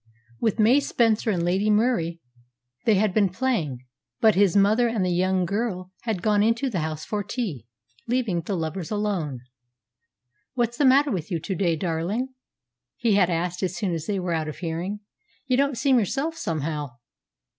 With May Spencer and Lady Murie they had been playing; but his mother and the young girl had gone into the house for tea, leaving the lovers alone. "What's the matter with you to day, darling?" he had asked as soon as they were out of hearing. "You don't seem yourself, somehow."